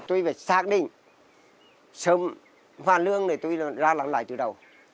tôi phải xác định sớm hoàn lượng để tôi ra làm lại từ đầu